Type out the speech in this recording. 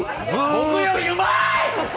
僕よりうまい！